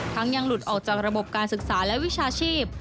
ยังหลุดออกจากระบบการศึกษาและวิชาชีพ